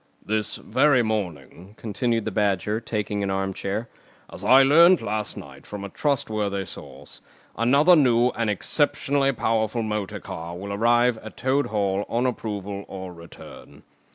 "This very morning," continued the Badger, taking an arm chair, "as I learnt last night from a trustworthy source, another new and exceptionally powerful motor car will arrive at Toad Hall on approval or return.